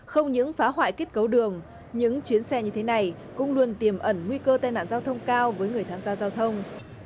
không những phá hoại kết cấu đường những chuyến xe như thế này cũng luôn tiềm ẩn nguy cơ tai nạn giao thông cao với người tham gia giao thông